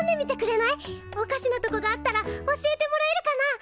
おかしなとこがあったら教えてもらえるかな？